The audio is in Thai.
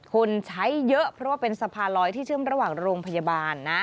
คนใช้เยอะเพราะว่าเป็นสะพานลอยที่เชื่อมระหว่างโรงพยาบาลนะ